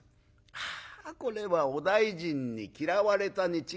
あこれはお大尽に嫌われたに違いない。